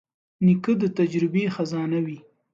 نیکه د تجربې خزانه وي.